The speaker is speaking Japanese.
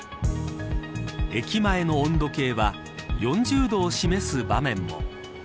駅前の温度計は４０度を示す場面も。